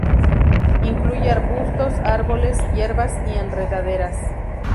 Incluye arbustos, árboles, hierbas y enredaderas.